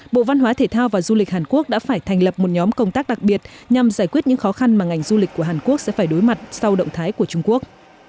bộ văn hóa thể thao và du lịch hàn quốc đã phải thành lập một nhóm công tác đặc biệt nhằm giải quyết những khó khăn mà ngành du lịch của hàn quốc sẽ phải đối mặt sau động thái của trung quốc